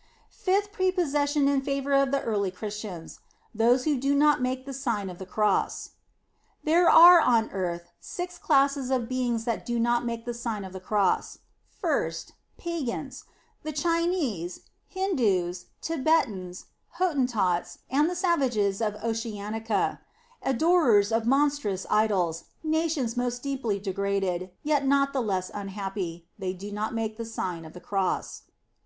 In the Nineteenth Century. 53 Fifth prepossession in favor of the early Christians: Those who do not make the Sign of tJie Cross. There are on earth six classes of beings that do not make the Sign of the Cross. First, pagans : the Chinese, Hindoos, Thibe tans, Hottentots, and the savages of Oceanica, adorers of monstrous idols, nations most deeply degraded, yet not the less unhappy they do not make the Sign of the Cross.